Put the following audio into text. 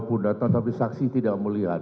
pun data tapi saksi tidak melihat